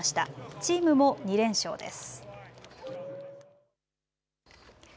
チームも２連勝です。